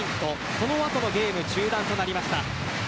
その後のゲーム中断となりました。